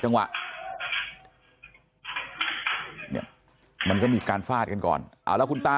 ใจจังหวะ